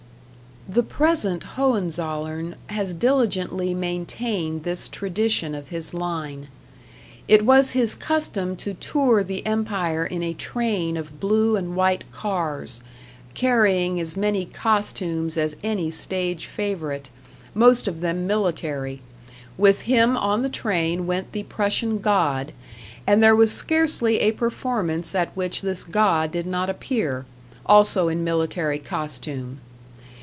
The present Hohenzollern has diligently maintained this tradition of his line. It was his custom to tour the Empire in a train of blue and white cars, carrying as many costumes as any stage favorite, most of them military; with him on the train went the Prussian god, and there was scarcely a performance at which this god did not appear, also in military costume.